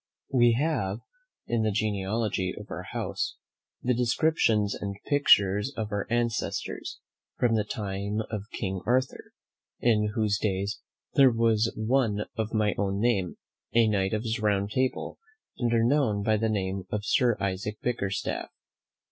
We have, in the genealogy of our house, the descriptions and pictures of our ancestors from the time of King Arthur, in whose days there was one of my own name, a knight of his round table, and known by the name of Sir Isaac Bickerstaff.